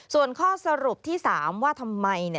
ส่วนข้อสรุปที่๓ว่าทำไม